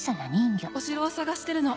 お城を探してるの。